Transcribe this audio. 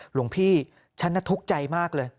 หลวงพี่ฉันน่ะทุกข์ใจมากเลย